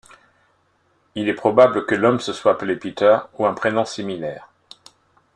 Il est probable que l'homme se soit appelé Peter ou un prénom similaire.